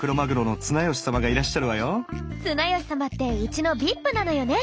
綱吉様ってウチのＶＩＰなのよね。